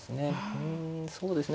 うんそうですね